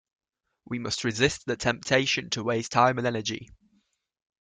We must resist the temptation to waste time and energy.